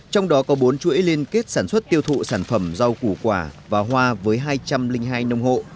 trong đó có bốn chuỗi liên kết sản xuất tiêu thụ sản phẩm rau củ quả và hoa với hai trăm linh hai nông hộ